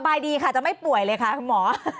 ดีค่ะจะไม่ป่วยเลยค่ะคุณหมอ